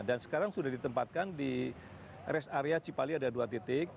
dan sekarang sudah ditempatkan di rest area cipali ada dua titik